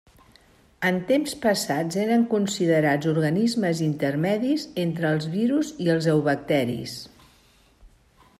En temps passats eren considerats organismes intermedis entre els virus i els eubacteris.